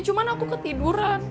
cuman aku ketiduran